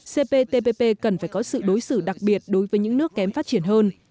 cptpp cần phải có sự đối xử đặc biệt đối với những nước kém phát triển hơn